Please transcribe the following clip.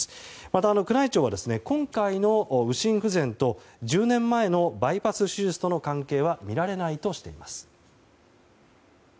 また宮内庁は今回の右心不全と１０年前のバイパス手術との関係はみられないとしています。